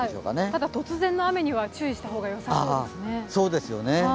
ただ、突然の雨には注意した方がよさそうですね。